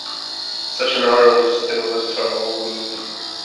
Such an honour was a stimulus to our whole group.